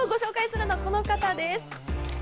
きょうご紹介するのは、この方です。